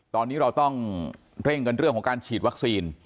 ตอนนี้เราต้องเร่งกันเรื่องของการฉีดวัคซีน